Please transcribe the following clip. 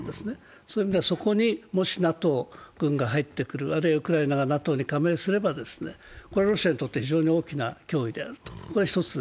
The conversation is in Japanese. そういう意味では、そこにもしＮＡＴＯ軍が入ってくる、あるいはウクライナがＮＡＴＯに加盟すればロシアにとって非常に大きな脅威であるというのが１つ。